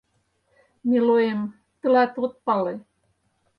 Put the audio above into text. Милоем, тылат, от пале